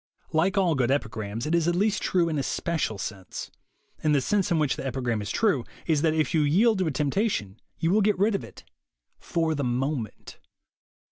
Like all good epigrams, it is at least true in a special sense. And the sense in which the epigram is true is that if you yield to a temptation, you will get rid of it for the moment.